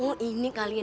oh ini kalian